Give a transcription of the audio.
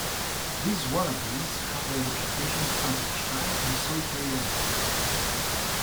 These wallabies have a reputation as shy and solitary animals.